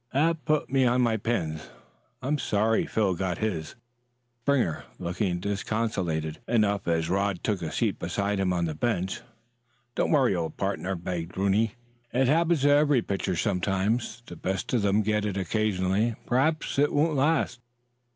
"That put me on my pins. I'm sorry Phil got his." Springer looked disconsolate enough as Rod took a seat beside him on the bench. "Don't worry, old partner," begged Rodney. "It happens to every pitcher sometimes. The best of them get it occasionally. Perhaps I won't last."